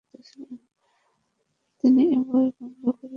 তিনি বই বন্ধ করে বুড়ির দিকে তাকালেন।